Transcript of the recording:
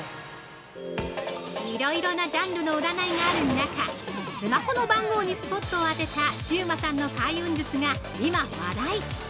◆いろいろなジャンルの占いがある中スマホの番号にスポットを当てたシウマさんの開運術が今話題。